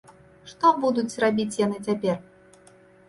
Што будуць рабіць яны цяпер?